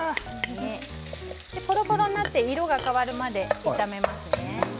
ぽろぽろになって色が変わるまで炒めますね。